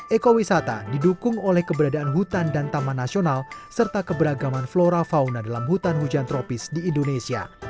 ekowisata didukung oleh keberadaan hutan dan taman nasional serta keberagaman flora fauna dalam hutan hujan tropis di indonesia